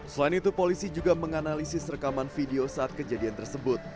selain itu polisi juga menganalisis rekaman video saat kejadian tersebut